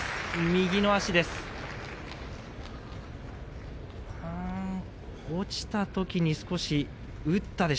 右の足です。